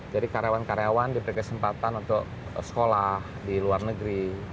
jadi karyawan karyawan diberi kesempatan untuk sekolah di luar negeri